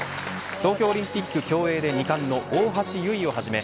東京オリンピック競泳で２冠の大橋悠依をはじめ